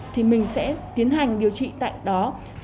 thì mình sẽ tiến hành điều trị tại đó